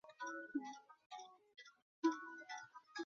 何丽萍是一名中国女子垒球运动员。